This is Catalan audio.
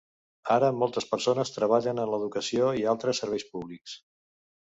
Ara moltes persones treballen en l'educació i altres serveis públics.